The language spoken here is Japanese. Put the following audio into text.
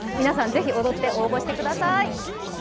皆さん、ぜひ踊って応募してください。